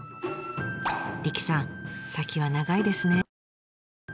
理妃さん先は長いですね。